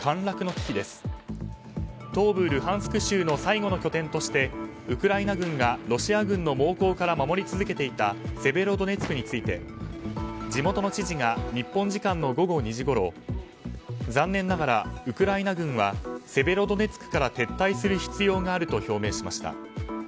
ルハンスク州の最後の拠点としてウクライナ軍がロシア軍の猛攻から守り続けていたセベロドネツクについて地元の知事が日本時間の午後２時ごろ残念ながらウクライナ軍はセベロドネツクから撤退する必要があると表明しました。